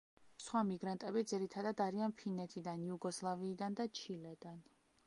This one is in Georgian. სხვა მიგრანტები ძირითადად არიან ფინეთიდან, იუგოსლავიიდან და ჩილედან.